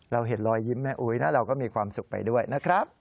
เราเห็นรอยยิ้มแม่อุ๊ยนะเราก็มีความสุขไปด้วยนะครับ